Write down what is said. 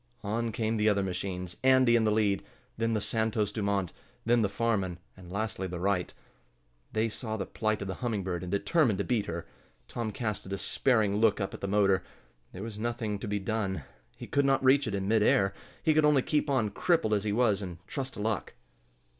On came the other machines, Andy in the lead, then the Santos Dumont, then the Farman, and lastly the Wright. They saw the plight of the Humming Bird and determined to beat her. Tom cast a despairing look up at the motor. There was nothing to be done. He could not reach it in mid air. He could only keep on, crippled as he was, and trust to luck.